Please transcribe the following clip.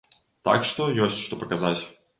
Так што ёсць што паказаць.